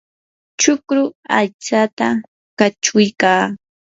chukru aytsata kachuykaa.